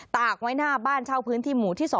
ตากไว้หน้าบ้านเช่าพื้นที่หมู่ที่๒